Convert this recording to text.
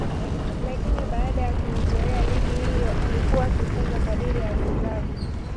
lakini baada ya kuizoea ligi hiyo alikuwa akifunga kadri awezeshavyo